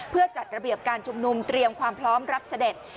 เพื่อจัดระเบียบการชุมนุมเตรียมความพร้อมรับเสด็จ